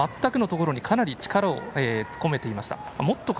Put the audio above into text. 「全く」のところにかなり力を込めていました。